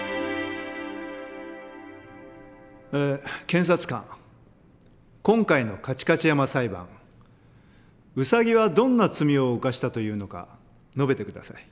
検察官今回の「カチカチ山」裁判ウサギはどんな罪を犯したというのか述べて下さい。